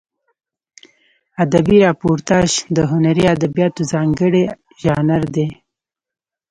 ادبي راپورتاژ د هنري ادبیاتو ځانګړی ژانر دی.